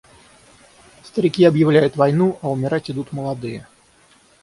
Старики объявляют войну, а умирать идут молодые.